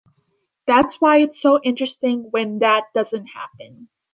That's why it's so interesting when that doesn't happen.